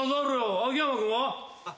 秋山君は？